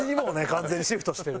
完全にシフトしてる。